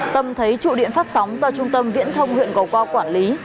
tâm thấy trụ điện phát sóng do trung tâm viễn thông huyện gò quao quản lý